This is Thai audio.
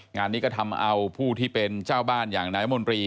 งานนี้ก็ทำเอาผู้ที่เป็นเจ้าบ้านอย่างนายมนตรี